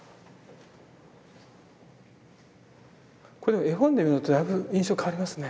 これ絵本で見るのとだいぶ印象変わりますね。